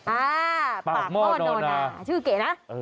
อ่าปากหม้อนอนาชื่อเก๋นะ